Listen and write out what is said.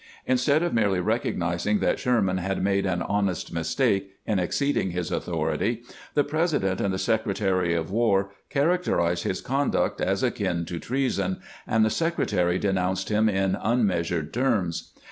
In stead of merely recognizing that Sherman had made an 503 504 CAMPAIGNING WITH 6BANT honest mistake in exceeding his authority, the President and the Secretary of War characterized his conduct as akin to treason, and the Secretary denounced him in unmeasured terms.